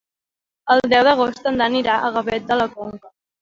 El deu d'agost en Dan irà a Gavet de la Conca.